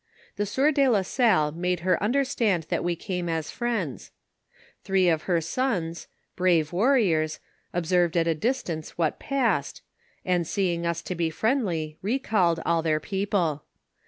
The sieur de la SnJle made her understand that we came as friends ; three of her sons, brave warriors, observed at a dis tance what passed, and seeing us to be friendly, recalled all their people.